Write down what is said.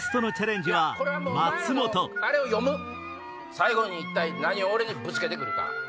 最後に一体何を俺にぶつけて来るか。